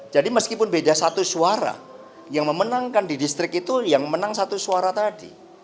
jadi meskipun beda satu suara yang memenangkan di distrik itu yang menang satu suara tadi